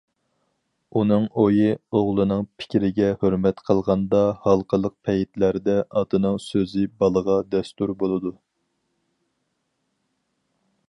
ئۇنىڭ ئويى ئوغلىنىڭ پىكرىگە ھۆرمەت قىلغاندا ھالقىلىق پەيتلەردە ئاتىنىڭ سۆزى بالىغا دەستۇر بولىدۇ.